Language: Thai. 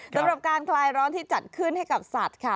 สำหรับการคลายร้อนที่จัดขึ้นให้กับสัตว์ค่ะ